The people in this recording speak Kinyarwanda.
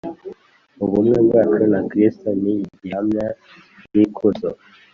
Ubumwe bwacu na Kristo ni gihamya y'ikuzo.